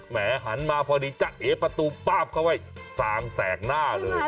หันมาพอดีจะเอประตูป้าบเข้าไว้กลางแสกหน้าเลย